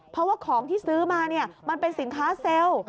เพราะว่าของที่ซื้อมามันเป็นสินค้าเซลล์